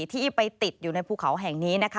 ที่ไปติดอยู่ในภูเขาแห่งนี้นะคะ